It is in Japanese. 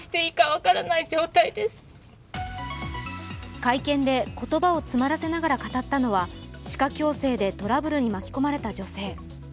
会見で言葉を詰まらせながら語ったのは歯科矯正でトラブルに巻き込まれた女性。